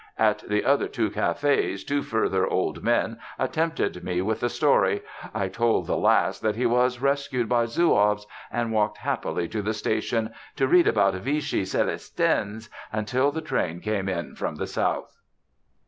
At the other two cafés two further old men attempted me with the story; I told the last that he was rescued by Zouaves, and walked happily to the station, to read about Vichy Célestins until the train came in from the south.